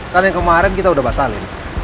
kan yang kemarin kita udah batalin